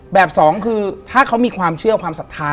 สองคือถ้าเขามีความเชื่อความศรัทธา